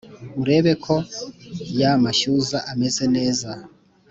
urebe ko yamashyuza ameze neza